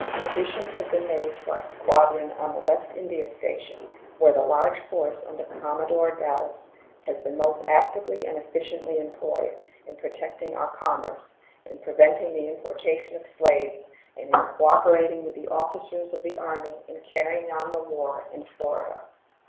Additions have been made to our squadron on the West India station, where the large force under Commodore Dallas has been most actively and efficiently employed in protecting our commerce, in preventing the importation of slaves, and in cooperating with the officers of the Army in carrying on the war in Florida.